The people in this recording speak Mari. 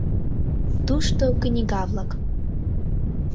Тушто книга-влак.